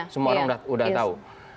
semua orang udah tahu